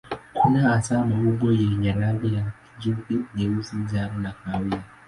Kuna hasa maumbo yenye rangi za kijivu, nyeusi, njano na kahawia.